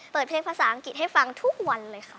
เปิดเพลงภาษาอังกฤษให้ฟังทุกวันเลยค่ะ